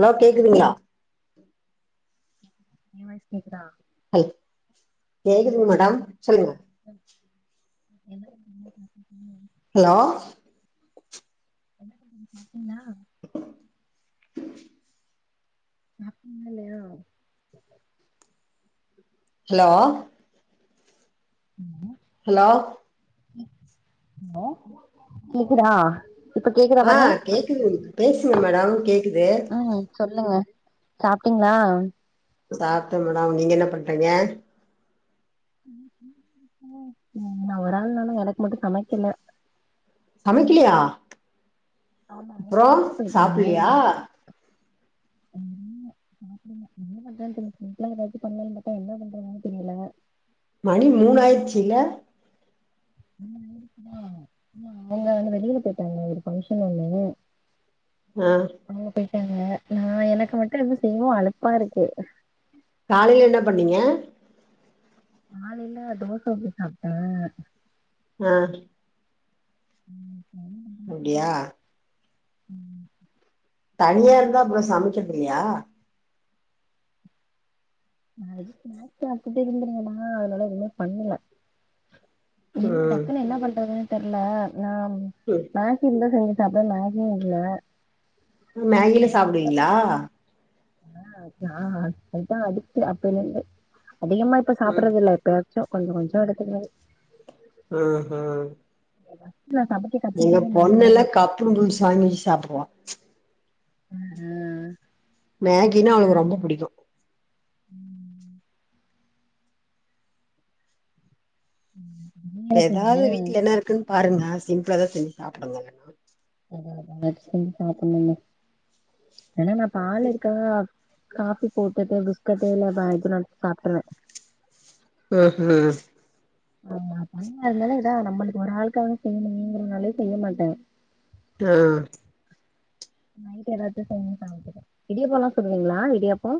Hello கேக்குதுங்களா என் voice கேக்குதா ஆ கேக்குதுக மேடம் சொல்லுங்க என்ன பண்றீங்க ம் ஹலோ என்ன பண்றீங்க சாப்டீங்களா கேட்கவில்லை [unintelligible] ஹலோ உம் ஹலோ ஹலோ கேக்குதா இப்ப கேக்குதா ஆ பாருங்க கேக்குது பேசுங்க மேடம் கேக்குது ம் சொல்லுங்க சாப்பிடீங்களா சாப்பிட்டோம் மேடம் நீங்க என்ன பண்றீங்க நான் ஒரு ஆள் நால எனக்கு மட்டும் சமைக்கல சமைக்கலையா ஆமாங்க அப்றோ வெளியில போயிட்டாங்கள சாப்பிட்லையா ம் எதுனா பண்ணணும் என்ன பண்ண தெரியல சிம்புளா ஏதாச்சும் பண்ணலான்னு பார்த்தா என்ன பண்றதுன்னு தெரியல மணி மூணு ஆயிடுச்சுல அவங்க வந்து வெளியில போயிட்டாங்க ஒரு பங்க்ஷன் ஒண்ணு ஆ அவங்க போயிட்டாங்க நான் எனக்கு மட்டும் என்ன செய்வோ அளுப்பா இருக்கு காலையில என்ன பண்ணீங்க காலைல தோச ஊத்தி சாப்பிட்டேன் ஆ உம் ம் அப்பிடியா தனியா இருந்தா அப்புறம் சமைக்கறது இல்லையா [unintelligible] அதனால ஒண்ணும் பண்ணல இன்னும் ம் டக்குன்னு என்ன பண்றதுன்னு தெரியல நான் ம் மனசு இருந்தா செஞ்சு சாப்பிடலாம் மனசும் இல்ல மேகிலா சாப்பிடுவீங்களா ஆ அது தான் அடிச்ச அப்பயில இருந்து அதிகமா இப்ப ம் சாப்பிடுறது இல்ல எப்பயா ச்சோ கொஞ்சம் கொஞ்சம் எடுத்துக்கிறது ம் ம் [inaudible] எங்க பொண்ணு மேகிலதா எல்லாம் கப்பு [inaudible] சாப்பிடுவா உம் மேகினா அவளுக்கு ரொம்ப புடிக்கும் உம் நீங்க என்ன இப்ப செஞ்சீங்க எதாவது வீட்டுல என்ன இருக்குன்னு பாருங்க சிம்பிளா எதாவது செஞ்சி சாப்பிடுங்க இல்லன்னா அதா அதா [unintelligible] பாக்கணுக ஏன்னா நான் பால் இருக்கா காஃபி போட்டுட்டு பிஸ்கட்டு இல்ல இது வேற எதுனாச்சு சாப்பிட்ருவேன் ம் ஹூ ஆ பன்னால இதா நம்மளுக்கு ஒரு ஆளுக்காக செய்யணுமேங்கிறனாலே செய்ய மாட்ட ஆ நைட் ஏதாச்சு செஞ்சி சாப்டுவே இடியப்பல்லா சுடுவீங்களா இடியாப்ப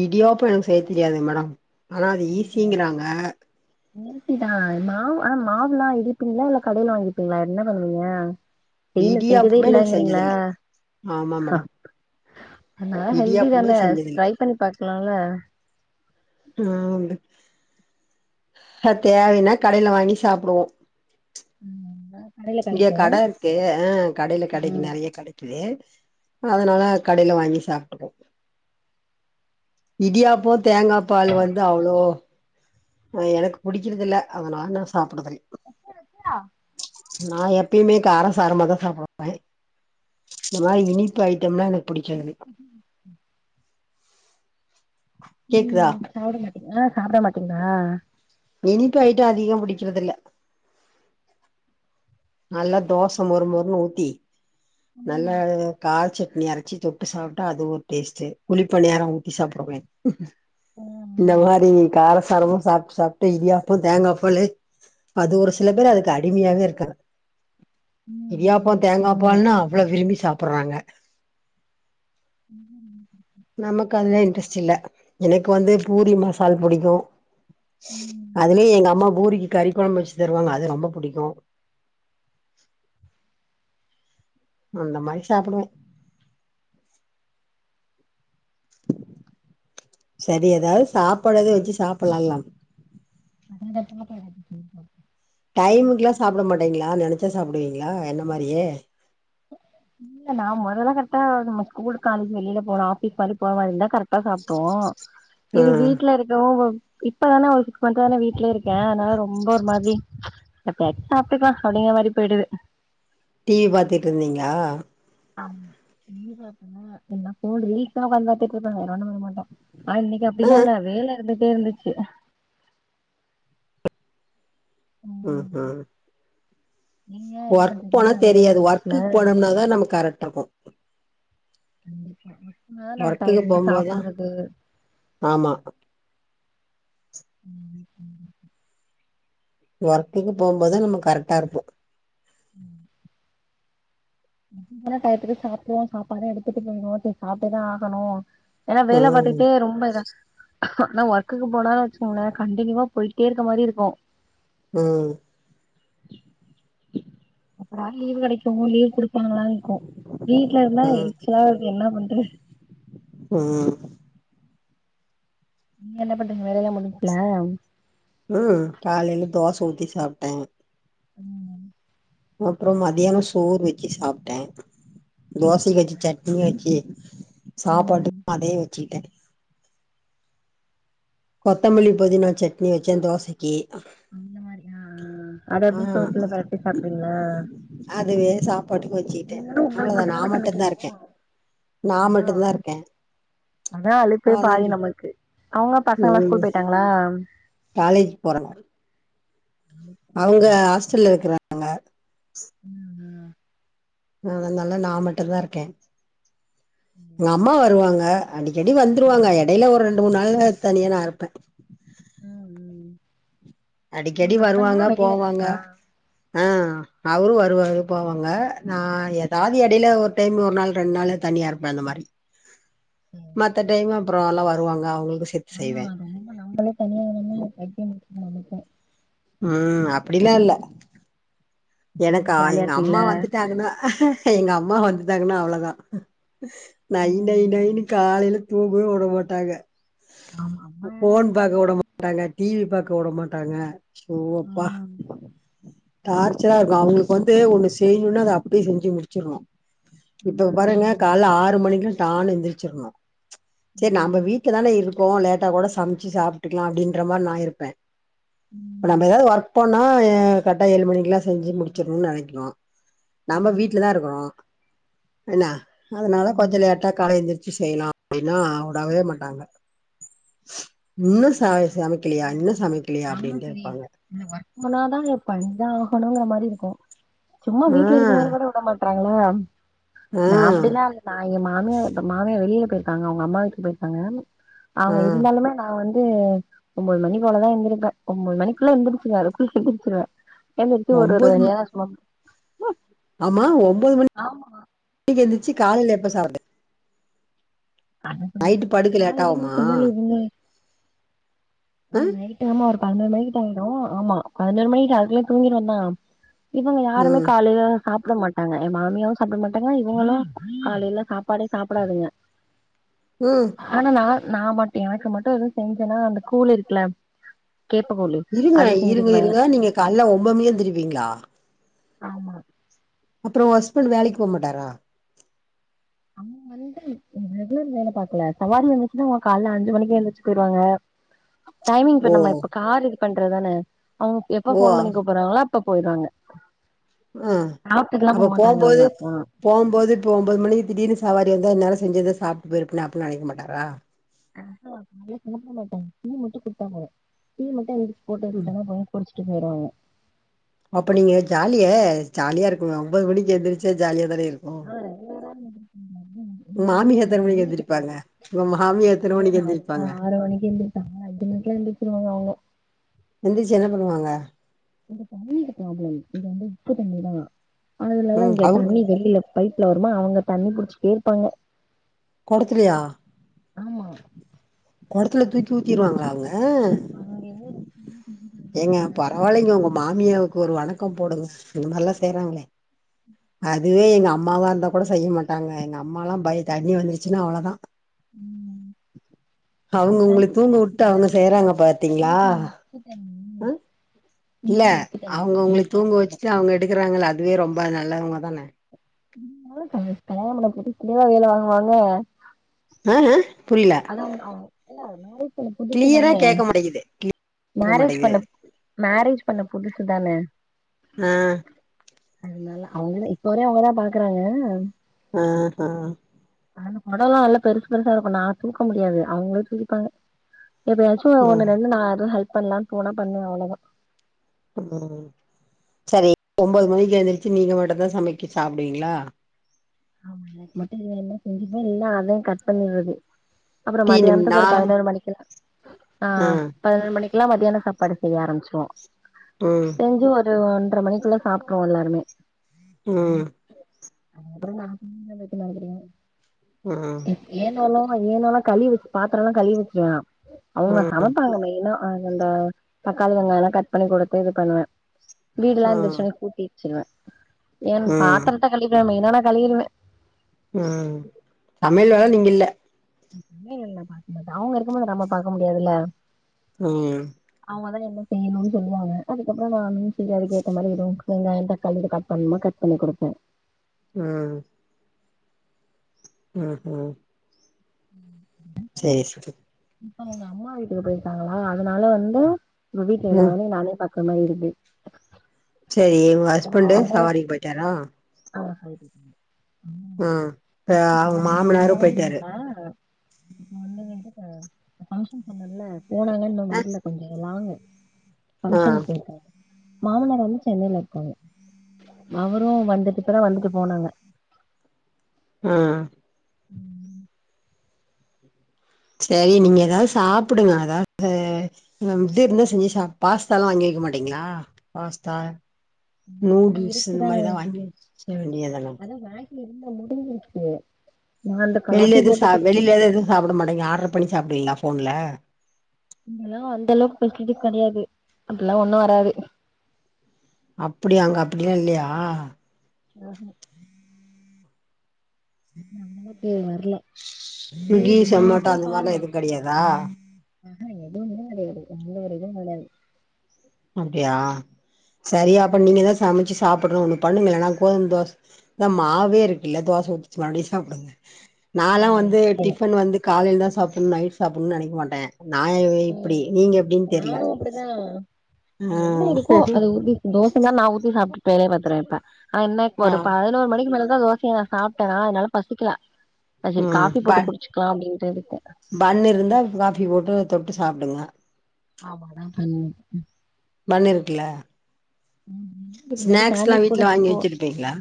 இடியாப்ப எனக்கு செய்ய தெரியாது மேடம் ஆனா அது ஈஸிங்கிறாங்க ஈசிதா மாவு ஆனா மாவுல்லா இடிப்பீங்களா இல்ல கடையில வாங்கிப்பீங்களா என்ன பண்ணுவீங்க செய்யல செஞ்சதே இடியாப்பமே நா இல்லாங்கிறீங்களா செஞ்சதில்ல ஆமா மேடம் அது நல்ல ஹெல்தி தான இடியாப்பமே செஞ்சதில்ல ட்ரை பண்ணி பாக்கலால ஆ அ தேவைனா கடைல வாங்கி சாப்டுவோ ம் இங்க கடை இருக்கு ஆ கடையில கடைக்கு ம் நெறைய கடைக் கு அதனால கடைல வாங்கி சாப்ட்டுக்கோ இடியாப்ப தேங்கா பால் வந்து அவ்ளோ எனக்கு புடிக்கிறதுல அதனால நா சாப்டுதுல் நா எப்பயுமே கார சாரமா தா சாப்டுவே இந்த மாரி இனிப்பு ஐட்டம்னா எனக் பிடிக்காது ம் சாப்ட மாட்டீங்கா சாப்ட மாட்டீங்ளா இனிப்பு ஐட்ட அதிக புடிக்கறதில்ல நல்ல தோச மொறு மொறுனு ஊத்தி நல்ல ம் கார் சட்னி அரச்சி தொட் டு சாப்டா அது ஒரு டேஸ்டு குழி பணியார ஊத்தி சாப்டுவே ம் இந்த ம் மாறி கார சாரமா சாப்டு சாப் டு இடியாப்ப தேங்காப்பாலு அது ஒரு சில பேர் அதுக்கு அடிமையாவே இருக்கா ம் இடியாப்ப ம் ஆமா தேங்காபால்னா அவ்ள விரும்பி சாப்பறாங்க ம் நமக்கு அதெலா இன்ட்ரெஸ்ட் இல்ல எனக்கு வந்து பூரி மசால் புடிக்கு ம் அதுலயே எங்க அம்மா பூரிக்கு கறி கொழம்பு வச்சு தருவாங்க அது ரொம்ப புடிக்கு அந்த மாரி சாப்புடுவே சரி எதாது சாப்பாடு எது வச்சு சாப்புலால அதாண்ட [unintelligible] டைம்க்லா சாப்பிட மாட்டிங்ளா நெனச்சா சாப்டுவீங்களா என்ன மாரியே இல்ல நா மொதல்லா கரெக்டா நம்ம ஸ்கூல் காலேஜ் வெளியில போன ஆஃபிஸ் மாரி போர மாரி இருந்தா கரெக்டா சாப்டுறுவோ ஆ இது வீட்ல இருக் ரோ ஒ இப்பதான ஒரு சிக்ஸ் மந்த் தானே வீட்லயே இருக்கே அதனால ரொம்ப ஒரு மாரி எப்பயாச்சி சாப்டுக்கலா அப்படிங்க மாரி போய்டுது டிவி பாத்துட்ருந்தீங்களா ஆம் இ பா ஃபோன் ரீல்ஸ் தா நா உக்காந்து பாத்துட்டு இருப்பே வேற ஒன்னு பண்ணமாட்ட ஆ இன்னைக்கு ஆ அப்டிலா இல்ல வேல இருந்துட்டே இருந்துச்சு ம் ஹூ நீங்க என்ன ஒர்க் பண்றீங்க போனா வேலையெல்லா தெரியாது முடிச்சுல ஒர்குக் போனோம்னா தா நம்ம கரெக்ட் ஆகு கண்டிப்பா மேல வன் ஒர்க்குக்கு டைமுக்கு போம்போதுதா சாப்புறது ஆமா ம் ம் ஒர்க்குக் போம் போது நம்ம கரெட்டா இருப்போ ம் [unintelligible] டயத்துகு சாப்புடுவோ சாப்பாடு எடுத்துட்டு போயிடவோ சாப்ட்டுதா ஆகணோ ஏன்னா வேல ம் பாத்துகிட்டே ரொம்ப இதா ஆனா ஒர்க்குக்கு போனா வெச்சுக்கோங்களே கண்டினியூவா போயிட்டே இருக்க மாரி இருக்கோ உம் எப்படா லீவ் கெடைக்குமோ லீவ் குடுப்பாங்களா இருக்கோ வீட்ல இருந்தா ம் எரிச்சலா இருக்கோ என்ன பண்றது ம் நீங்க என்ன பண்றீங்க வேலைய எல்லா முடிஞ்சுச்சுங்களா ம் காலையில தோச ஊத்தி சாப்ட்டே உம் அப்புறோ மதியியானோ சோறு வெச்சு சாப்ட்டே சேரி தோசைக்கு வெச்ச சேரிங்க சட்னிய வெச்சு ம் சாப்பாட்டுக்கு அதே வெச்சுக்ட்டே கொத்தமல்லி புதினா சட்னி வச்சே தோசைக் கே அந்த மாரி ஆ ஆ அத எப்டி ஆ சோத்துல பெரட்டி சாப்டுவீங்களா அதுவே சாப் படுக்கவச்சிட்டே நீங்களு உங்களுக்கு அவ்ளோதா நா மட்டுந்தான மட்டுந்தா சமைக்கணு இருக்கே நா அதா மட்டுந்தா இருக்கே அதா அளுப்பே அது பாதி நமக்கு அவுங்க பசங்கலா ஸ்கூல் ம் போயிட்டாங்களா காலேஜ் போறாங்க அவுங்க ம் ஹாஸ்டல்ல இருக்குறாங் ம் ம் அதனால நா மட்டுந்தா இருக்கே ம் எங்க அம்மா வருவாங்க அடிக்கடி வந்துருவாங்க எடையில ஒரு ரெண்டு மூணு நாள் தனியா நா இருப்பே ம் ம் உங்க அடிக்கடி ஹஸ்பண்ட்லா வருவாங்க வெளில போவாங்க இருக்காங்களா ஆ அவரு வருவாரு போவாங்க நா எதாவது எடையில ஒரு டைம் ஒரு நாள் ரெண்ட் நாள் தனியா இருப்பே அந்த மாரி ம் மத்த டைம் அப்புறோ எல்லா வருவாங்க அவுங்களுக்கு சேத்து ஆமா செய்வே ரொம்ப நாங்களே தனியா இல்லாம பைத்தியோ புடிச்டோ நமக்கே உம் அப்படிலா இல்ல எனக்கா ஜாலியா எங்க அம்மா இருப்பீங்களா வந்துட்டாங்கன்னா எங்க அம்மா வந்துட்டாங்கன்னா அவ்வளவுதா நை நை ம் நைனு காலையில தூங்கவே வுட மாட்டாங்க ஆமா அம்மா வேல ஃபோன் பாக்க வுட மாட்டாங்க டி வி பாக்க வுட மாட்டாங்க சோ அப்பா ம் டார்ச்சரா இருக்கோ அவுங்களுக்கு வந்து ஒண்ணு செய்யணோன்னா அத அப்பயே செஞ்சு முடிச்சிடனோ இப்ப பாருங்க ம் கால்ல ஆறு மணிக்குலா டான்னு எந்திரிச்சிரனோ சரி நாம ம் வீட்ல தானே இருக்கோ லேட்டா கூட சமைச்சு சாப்பிட்டுக்கலா அப்டீன்ற மாரி நா இருப்பே இப்ப ம். நம்போ எதாவது ஒர்க் போனா கரெக்டா ஏழு மணிக்குலா செஞ்சி ஆமா முடிச்சிடோனு நெனைக்கணோ நம்மோ ஆமா வீட்லதா இருக்குறோ என்னா அதனால கொஞ்சோ ம் லேட்டா கால்ல எந் செய்யுலா அப்டீன்னா உடவே மாட்டாங்க இன்னு ச என்னடா இது ரொம்ப சமைக்கலையா இன்னு இருக்கு சமைக்கலயா நம்ம அப்டீன்ட்டே சரி இருப்பாங்க இந்த வொர்க் போனாதா பண்ணிதா ஆகணோங்கற மாதிரி இருக்கோ சும்மா ஆ வீட்ல இருக்கும்போது கூட விடமா றாங்களா ஆ நா அப்புடிலா இல்ல நா எ மாமியா மாமியா வெளில போயிருக்காங்க அவுங்க அம்மா வீட்டுக்கு போயிருக்காங்க ஆ அவுங்க இருந்தாலுமே நா வந்து ஒம்போது மணி போல தா எந்திரிப்பே ஒம்போது மணிக்குள்ள எந்திரிச்சுருவே அதுக்குள்ள செஞ்சி வெச்சுருவே எந்திரிச்சி ஒரு ஒரு ஒன்பது வேலையா மணி சும்மா ஆமா ஒம்போது மணி ஆமா க்கு எந்திரிச்சு காலைல எப்ப சாப்பட நைட்டு படுக்க காலைலலா லேட்டாகுமா சுண்டல் இருந்து ம் நைட் ஆமா ஒரு பதினோரு மணிக்கிட்ட ஆயிடு ஆமா பதினோரு மணிக்கு அதுக்குள்ளயு தூங்கிருவந்தா இவுங்க யாருமே ம் காலைல சாப்ட மாட்டாங்க எ மாமியாவு சாப்ட மாட்டாங்கா இவுங்களு காலைல சாப்பாடே சாப்டாதுங்க ம் ஆனா நா நா மட்டு எனக்கு மட்டு எதுவு செஞ்சனா அந்த கூலு இருக்குல கேப்பக் கூலு இருங்க இருங்க இருங்க நீங்க கால்ல ஒம்போது மணிக்கு எந்திருப்பீங்ளா ஆமா அப்றோ ஒ ஹஸ்பண்ட் வேலைக்கு போ மாட்டாரா அவ்ங்க வந்து அ ரெகுலர் வேல பாக்ல சவாரி வந்துச்சுனா அவ்ங்க கால்ல அஞ்சு மணிக்கு எழுந்துருச்சு போயிருவாங்க டைமிங் இப்ப ஓ நம்ம இப்ப கார் இது பண்றதுதான அவ்ங்க எப்ப ஓ ஃபோன் பண்ணி கூப்பிட்றாங்களோ அப் ப்ப போயிருவாங்க‌ ஆ சாப்டுக்கலா அப்ப போமாட்டாங்க போம்போது அவ்ங்க போனா போம்போது இப்ப ஒம்போது மணிக்கு திடீர்னு சவாரி வந்தா இன்நேர ‌செஞ்சதே சாப்ட்டு போயிருப்பனே அடின் நெனைக்க மாட்டாரா ஆ ஹா அப்டியெல்லா நெனைக்க மாட்டாங்க டீ மட்டு குடுத்தா போது டீ மட்டு எந்திரிச்சி போட்டு ம். வச்சுடனா போது குடிச்ட்டு போய்ருவாங்க அப்ப நீங்க ஜாலியே ஜாலியா இருக்குமே ஒம்போது மணிக்கு எந்திரிச்சா ஜாலியா தானே இருக்கு ஆ உங்க [inaudible] எங்க மாமியா ஏரியால இந்த எத்தன மணிக்கு தண்ணிக்கு எந்திரிப்பாங்க ப்ராப்ளம் உங்க மாமியா எத்தன அதுங்க மணிக்கு நானுந்தா எந்திரிப்பாங்க ஆறு மணிக்கு எந்திருச் ஆமா அஞ்சு மணிக்குலா எந்திருச்சுருவாங்க அவ்ங்க எந்திரிச்சு என்ன பண்ணுவாங்க இந்த தண்ணி இது ப்ராப்ளம் இங்க வந்து உப்பு தண்ணி தா ஆனா இதுலலா ம் இங்க அவுங் தண்ணி வெளில பைப்ல வருமா அவுங்க தண்ணி புடிச்சுக்கிட்டே இருப்பாங்க கொடத்துலையா ஆமா கொடத்துல தூக்கி ஊத்திருவாங்களா அவ்ங்க அங்க இருந்து தண்ணி கொண்டு ஏங்க வந்து, பரவால்லைங்க ஒங்க மாமியாவுக்கு ஒரு வணக்க போடுங்க இந்த மாரிலா செய்றாங்ளே அதுவே எங்க அம்மாவா இருந்தா கூட செய்ய மாட்டாங்க எங்க அம்மலா பய தண்ணி வந்துருச்சுனா அவளதா ம் அவ்ங்க உங்கள தண்ணி தூங்க இருக்கு விட்டு அவ்ங்க வீட்ல செய்றாங்க வந்து பாத்தீங்ளா வீட்ல உப்பு தண்ணி இல்ல வீட்ல உப்பு தண்ணி அவ்ங்க உங்களை ம் தூங்க ஆமா ஆமா வச்சுட்டு அவ்ங்க எடுக்குறாங்கல்ல அதுவே ரொம்ப நல்லவ்ங்க தானே இருந்தாலு பாருங்க கல்யாணம் பண்ண புதுசுலேவா வேல வாங்குவாங்க ன்னாங்க புரியிலா [unintelligible] இல்ல மேரேஜ் பண்ண புதுசு கிளியரா தானே கேட்க மாட்டேங்குது கேட்க மேரேஜ் பண்ண மாட்டேங்குது மேரேஜ் பண்ண புதுசுதான அ அதனால அவ்ங்கதா இப்பவர அவ்ங்கதா பாக்குறாங்க ஓஹோ அந்த கொடலா எல்லா பெருசு பெருசா இருக்கு நா தூக்க முடியாது அவ்ங்களே தூக்கிப்பாங்க எப்பயாச்சு இப்போ ம் ஒன்னு ரென்டு நா எது ஹெல்ப் பண்லான் போன பண்ணுவே அவளதா ம் சரி ஒம்போது மணிக்கு எந்திரிச்சு நீங்க மட்டுந்தா சமச்சி சாப்டுவிங்ளா ஆமா எனக்கு மட்டு எது வேண்ணா செஞ்சுபே இல்லனா அதையு கட் பண்ணிர்றது அப்பற டீ மதியானத்துக்கு நிம்னா ஒரு பதினோரு மணிக்குலா ஆ பதினொரு மணிக்குலா மதியான சப்பாடு செய்ய ஆரம்மிச்சிருவோ ம் செஞ்சு ஒரு ஒன்ற மணிக்குள்ள சாப்ட்ருவோ எல்லாருமே ம் [unintelligible] ம் ஏனோ ஏனோல்லா கழுவி வச்சோ பாத்திரல்லா கழுவி வச்சோ அவங்க சமைப்பாங்க மெயினா அந்த தக்காளி வெங்காயல்லா கட் பண்ணி குடுத்து இது பண்ணுவ வீடுலா ம் எந்திரிச்சொனே கூட்டி வச்சுருவ என் ம் பாத்திரத்த கழிக்க மெயினா நா கழுவிருவ ம் சமையல் வேல நீங்க இல்ல அவங்க இருக்குபோது நம்ம பாக்க முடியாதுல்ல ம் அவங்கதா என்ன செய்யணுன் சொல்லுவாங்க அதுக்கப்ற நானே போய் அதுக்கு ஏத்த மாதிரி ஏதோ வெங்காய தக்காளி இதை கட் பண்ணுமா கட் சொல்லி குடுப்ப ம் ம்ஹூம் ம்ஹூம் ஜேசுது இப்ப நா எங்க அம்மா வீட்டுக்கு போயிருக்காங்களா அதனால வந்து உங்க வீட்ல ம் எல்லா வேலையு நானே பாக்குற மாரி இருக்கு சரி உங்க ஏன்னா அவங்க ஹஸ்பண்ட்டு அம்மா சவாரிக்கு போய்ட்டாரா ஆ சவாரி போய்ட்டாங்க ம் ப அவங்க மாமனாரு போய்ட்டாரு நேத்து வந்தோனே எங்க போனாரு பங்க்ஷன் சொன்னல போனாங்க இன்னு வரல கொஞ்சோ லாங்கு ஆ ஃபங்க்ஷனுக்கு போய்ருக்காரு மாமனார் வந்து சென்னைல இருக்காங்க அவரு வந்துட்டு இப்ப தா வந்துட்டு போனாங்க ம் ம் சரி நீங்க எதாவது சாப்டுங்க அதாவது இந்த மிட்டே இருந்தா செஞ்சு பாஸ்தா எல்லா வாங்கி வைக்க மாட்டீங்களா பாஸ்தா நா நூடுல்ஸ் இந்த இருக்குதா மாதிரி எதாவது வாங்கி வச்சு செய்ய வேண்டியதான என்ன முடிஞ்சிருச்சு நான் அந்த காஃபி வெளியில எது போட்டு சா குடிச்சிட் வெளியில எது எதுவு சாப்பிட மாட்டிங்க ஆர்டர் பண்ணி சாப்டுவிங்ளா ஃபோன்ல இங்கல்லா அந்த அளவுக்கு பெசிலிட்டி கெடையாது அப்டிலா ஒன்னு வராது அப்டியா அங்க அப்டிலா இல்லயா ம்ஹூம் நம்மட்டே வரல சேரி ஸ்விகீ நீங்க சமோட்டோ அந்த மாரிலா எதுவு கெடையாதா ஆ ஹா எதுவுமே கெடையாது எந்த ஒரு இது கெடையாது அப்டியா ஆ சரி அப்ப நீங்க எதா சமைச்சு சாப்டு ஒன்னு பண்ணுங்களே நா கோதும தோச அதா மாவே இருக்குல்ல தோசை ஊச்சு சும்மா அப்டியே சாப்பிடுங்க நாலா வந்து சேரி டிஃபன் வந்து காலைல தா சாப்டனு நைட்டு சாப்டனு நெனைக்க மாட்ட நா எ இப்படி நீங்க எப்டின் தெர்ல அப்டி தா நா ஆ என்ன இருக்கோ அத ஊத்தி தோசன்னா நா ஊத்தி சாப்ட்டுப்பே பத்தறயப்ப ஆனா என்ன இப்ப ஆ ஒரு பதினோரு மணிக்கு மேல தோசைய நா சாப்ட்டேனா அதனால பசிக்கல அது சரி ம் காஃபி போட்டு பன் குடிச்சுக்கலா அப்படின்ட்டு இருக்க பன் இருந்தா காஃபி போட்டு தொட்டு சாப்டுங்க ஆமா அதா பண்ணு பன்னிருக்குல இதுக்கு முன்னாடி ஸ்நாக்ஸ்லா சாண்ட்விச் கூட வீட்ல வாங்கி போ வச்சிருப்பீங்ளா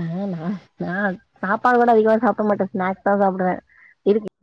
ஆ நா நா சாப்பாடு கூட அதிகமா சாப்ட மாட்டே ஸ்நாக்ஸ் தா சாப்டுவே இருக்